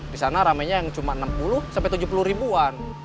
di sana rame nya yang cuma enam puluh tujuh puluh ribuan